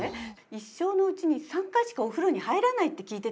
一生のうちに３回しかお風呂に入らないって聞いてたんですよ。